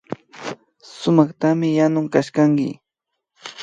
Sumaktami yanun kashkanki